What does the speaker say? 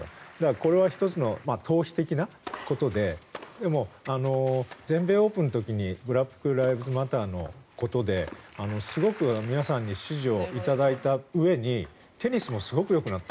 これは１つの逃避的なことででも、全米オープンの時にブラック・ライブズ・マターのことですごく皆さんに支持を頂いたうえにテニスもすごくよくなった。